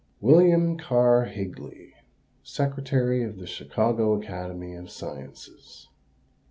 WILLIAM KERR HIGLEY, Secretary of The Chicago Academy of Sciences.